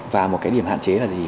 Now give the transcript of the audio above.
và một cái điểm hạn chế là gì